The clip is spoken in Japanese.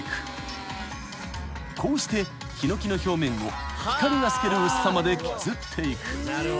［こうしてヒノキの表面を光が透ける薄さまで削っていく］